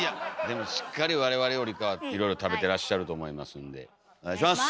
でもしっかり我々よりかはいろいろ食べてらっしゃると思いますんでお願いします！